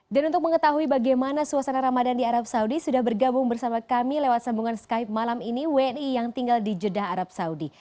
dan untuk mengetahui bagaimana suasana ramadan di arab saudi sudah bergabung bersama kami lewat sambungan skype malam ini wni yang tinggal di jeddah arab saudi